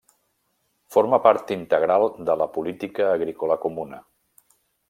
Forma part integral de la Política Agrícola Comuna.